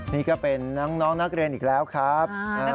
นี่ก็เป็นน้องนักเรียนอีกแล้วครับ